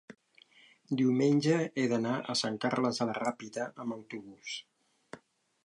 diumenge he d'anar a Sant Carles de la Ràpita amb autobús.